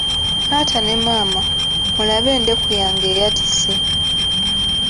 Taata ne maama, mulabe endeku yange eyatise!